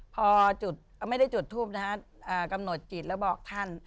พอจุดไม่ได้จุดทูปนะฮะกำหนดจิตแล้วบอกท่าน